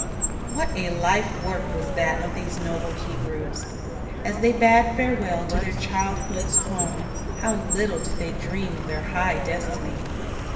What a life work was that of these noble Hebrews ! As they bade farewell to their childhood's home, how little did they dream of their high destiny!